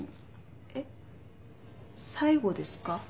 えっ最後ですか？